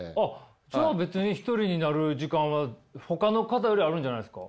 じゃあ別に１人になる時間はほかの方よりあるんじゃないんですか？